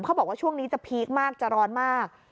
เขาบอกว่าช่วงนี้จะพีคมากจะร้อนมาก